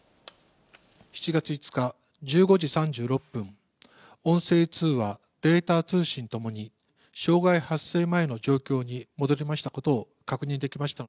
７月５日１５時３６分、音声通話、データ通信ともに、障害発生前の状況に戻りましたことを確認できました。